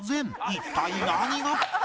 一体何が？